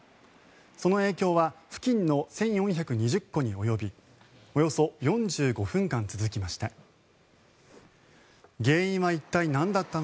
その影響は付近の１４２０戸に及びおよそ４５分間続きました。